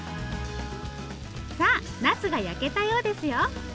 さあなすが焼けたようですよ。